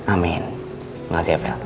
amin makasih ya fel